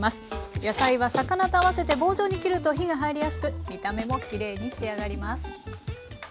野菜は魚と合わせて棒状に切ると火が入りやすく見た目もきれいに仕上がります。